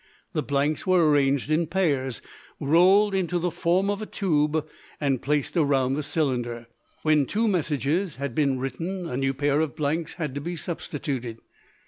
The blanks were arranged in pairs, rolled into the form of a tube and placed around the cylinder. When two messages had been written a new pair of blanks had to be substituted.